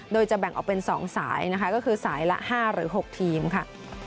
โดยจะแบ่งออกเป็น๒สายนะคะก็คือสายละ๕หรือ๖ทีมค่ะ